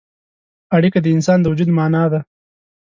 اړیکه د انسان د وجود معنا ده.